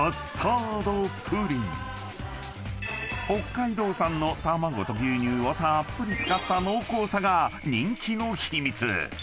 ［北海道産の卵と牛乳をたーっぷり使った濃厚さが人気の秘密］